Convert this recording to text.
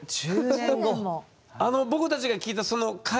僕たちが聞いたその会？